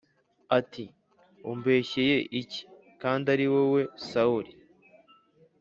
ati “umbeshyeye iki? kandi ari wowe sawuli!”